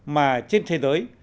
mà trên thế giới